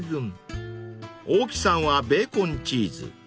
［大木さんはベーコンチーズ］